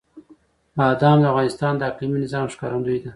بادام د افغانستان د اقلیمي نظام ښکارندوی ده.